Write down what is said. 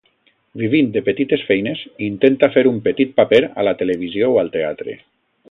Vivint de petites feines, intenta fer un petit paper a la televisió o al teatre.